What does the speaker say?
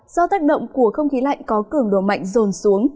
do tác động của không khí lạnh có cường độ mạnh rồn xuống